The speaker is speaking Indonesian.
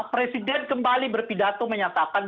presiden kembali berpidato menyatakan